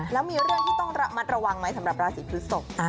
แล้วมีเรื่องที่ต้องระมัดระวังไหมสำหรับราศีพฤศพ